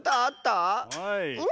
はい。